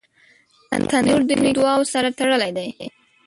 تنور د نیکو دعاوو سره تړلی دی